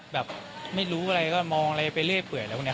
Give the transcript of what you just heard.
แบบไม่รู้อะไรก็มองเรื่อยเผื่อแล้ว